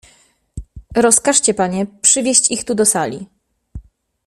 "Rozkażcie, panie, przywieść ich tu do sali."